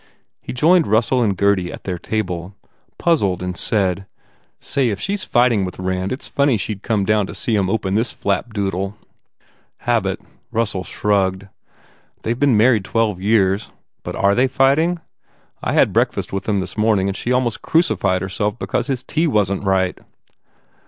He joined Russell and Gurdy at their table, puzzled and said, "Say, if she s fighting with Rand it s funny she d come down to see him open this flapdoodle." "Habit," Russell shrugged, "They ve been married twelve years. But are they fighting? I had breakfast with them this morning and she almost crucified herself because his tea wasn t right."